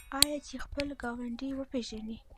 آیا چې خپل ګاونډی وپیژني؟